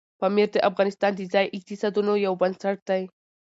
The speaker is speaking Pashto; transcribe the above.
پامیر د افغانستان د ځایي اقتصادونو یو بنسټ دی.